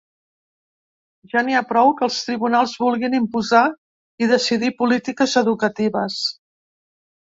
Ja n’hi ha prou que els tribunals vulguin imposar i decidir polítiques educatives.